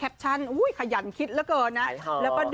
คือใบเฟิร์นเขาเป็นคนที่อยู่กับใครก็ได้ค่ะแล้วก็ตลกด้วย